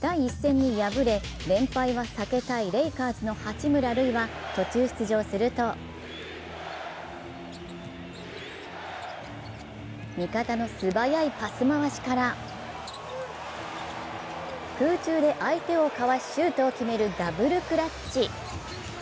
第１戦に敗れ連敗は避けたいレイカーズの八村塁は途中出場すると味方の素早いパス回しから、空中で相手をかわしシュートを決めるダブルクラッチ。